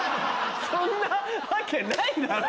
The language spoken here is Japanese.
そんなわけないだろう！